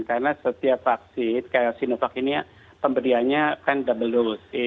karena setiap vaksin kayak sinovac ini pemberiannya kan double dose